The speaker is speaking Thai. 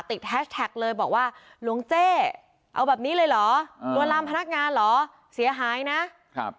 แฮชแท็กเลยบอกว่าหลวงเจ้เอาแบบนี้เลยเหรอลวนลามพนักงานเหรอเสียหายนะครับ